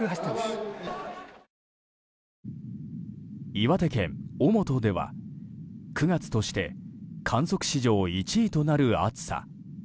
岩手県小本では、９月として観測史上１位となる暑さ。